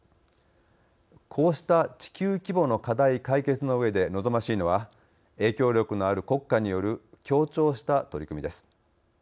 こうした地球規模の課題解決のうえで望ましいのは影響力のある国家による協調した取り組みです。